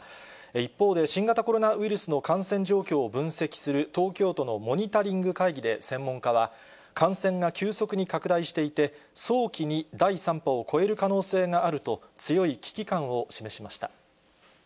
一方で、新型コロナウイルスの感染状況を分析する東京都のモニタリング会議で専門家は、感染が急速に拡大していて、早期に第３波を超える可能性があると、強い危機感を示しました。